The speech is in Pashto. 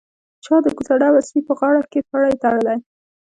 چا د کوڅه ډبه سپي په غاړه کښې پړى تړلى.